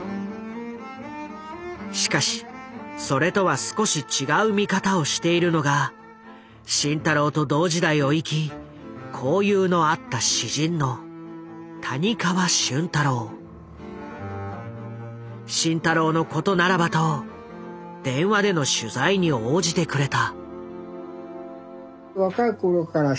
しかしそれとは少し違う見方をしているのが慎太郎と同時代を生き交友のあった慎太郎のことならばと電話での取材に応じてくれた。